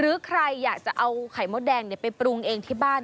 หรือใครอยากจะเอาไข่มดแดงไปปรุงเองที่บ้าน